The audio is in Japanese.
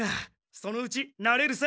そのうちなれるさ。